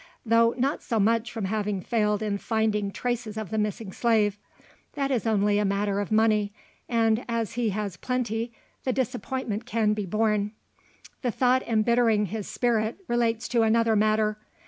Though not so much from having failed in finding traces of the missing slave. That is only a matter of money; and, as he has plenty, the disappointment can be borne. The thought embittering his spirit relates to another matter.